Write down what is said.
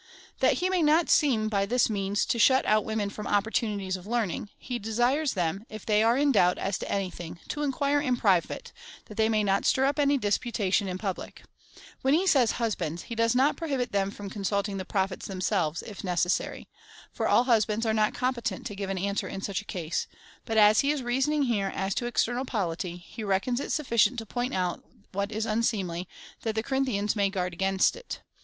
That he may not seem, by this means, to shut out women from opportunities of learning, he desires them, if they are in doubt as to any thing, to inquire in private, that they may not stir uj) any disputation in public. When he says, husbands, he does not prohibit them from consulting the Prophets themselves, if necessary. For all husbands are not competent to give an answer in such a case ; but, as he is reasoning here as to ex ternal polity, he reckons it sufficient to point out what is unseemly, that the Corinthians may guard against it.